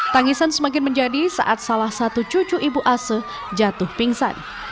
tangisan semakin menjadi saat salah satu cucu ibu ase jatuh pingsan